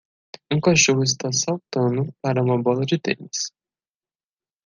Um cachorro está saltando para uma bola de tênis.